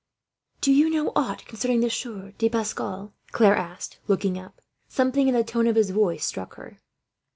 "Do you know aught concerning the Sieur de Pascal?" Claire asked, looking up. Something in the tone of his voice struck her.